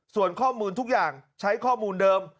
ส่วนข้อมูลทุกอย่างใช้ข้อมูลเดิม